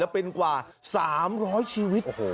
เป็นกว่า๓๐๐ชีวิต